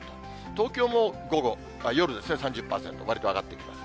東京も夜ですね、３０％、わりと上がってきます。